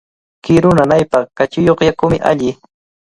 Kiru nanaypaqqa kachiyuq yakumi alli.